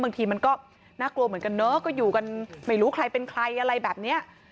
บางทีมันก็น่ากลัวเหมือนกันเนอะก็อยู่กันไม่รู้ใครเป็นใครอะไรแบบเนี้ย